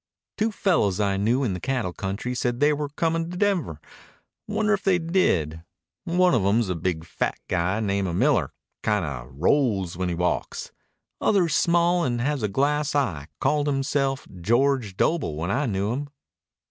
"Two fellows I knew in the cattle country said they were comin' to Denver. Wonder if they did. One of 'em's a big fat guy name o' Miller kinda rolls when he walks. Other's small and has a glass eye. Called himself George Doble when I knew him."